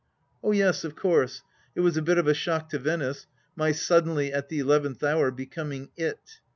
" Oh yes, of course, it was a bit of a shock to Venice —• my suddenly, at the eleventh hour, becoming It.